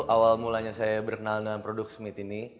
awal mulanya saya berkenalan dengan productsmith ini